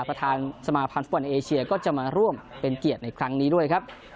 ประธานสมาพันธ์ฟุตบอลเอเชียก็จะมาร่วมเป็นเกียรติในครั้งนี้ด้วยครับ